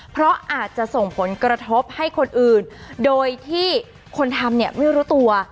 เพราะอาจจะส่งผลกระทบให้คนอื่นโดยที่คนทำเนี่ยไม่รู้ตัว